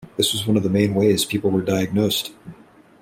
This was one of the main ways people were diagnosed.